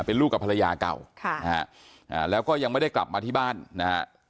เป็นลูกกับภรรยาเก่าค่ะนะฮะแล้วก็ยังไม่ได้กลับมาที่บ้านนะฮะ